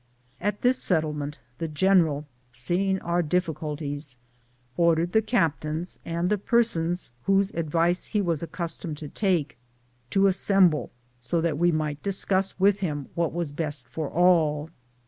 At this settlement the general, seeing our difficulties, ordered the captains, and the persons whose advice ho was accustomed to take, to assemble, so that we might dis cuss with him what was best for all.